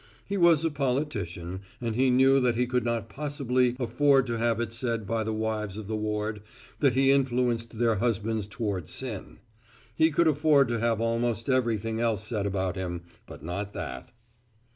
He was a politician and he knew that he could not possibly afford to have it said by the wives of the ward that he influenced their husbands toward sin. He could afford to have almost everything else said about him, but not that.